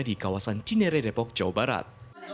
di kawasan cineredepok jawa barat